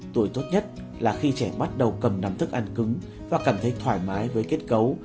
tuổi tốt nhất là khi trẻ bắt đầu cầm nắm thức ăn cứng và cảm thấy thoải mái với kết cấu